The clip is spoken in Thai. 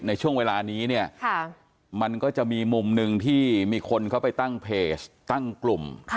ในช่วงเวลานี้เนี่ยมันก็จะมีมุมหนึ่งที่มีคนเขาไปตั้งเพจตั้งกลุ่ม